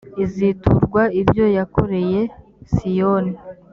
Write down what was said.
iziturwa ibyo yakoreye siyoni